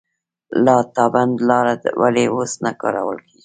لاتابند لاره ولې اوس نه کارول کیږي؟